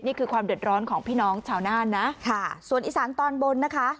ความเดือดร้อนของพี่น้องชาวน่านนะค่ะส่วนอีสานตอนบนนะคะ